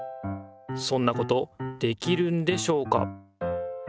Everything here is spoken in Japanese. そんなことできるんでしょうか？